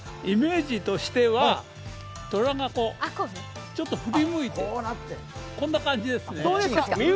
イメージとしては、虎がちょっと振り向いて、こんな感じですね。